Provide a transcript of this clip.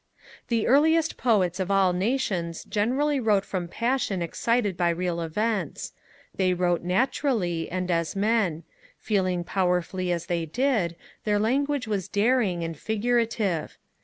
The earliest poets of all nations generally wrote from passion excited by real events; they wrote naturally, and as men: feeling powerfully as they did, their language was daring, and figurative.